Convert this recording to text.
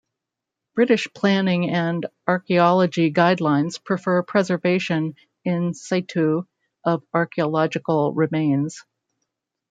British planning and archaeology guidelines prefer preservation "in situ" of archaeological remains.